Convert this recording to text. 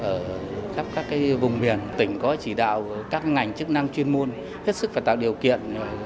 ở khắp các vùng miền tỉnh có chỉ đạo các ngành chức năng chuyên môn hết sức phải tạo điều kiện